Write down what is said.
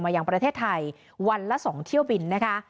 ยังประเทศไทยวันละ๒เที่ยวบินนะคะ